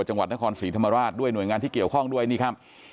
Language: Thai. จังหวัดนครศรีธรรมราชด้วยหน่วยงานที่เกี่ยวข้องด้วยนี่ครับ